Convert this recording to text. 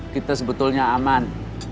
kita sebetulnya aman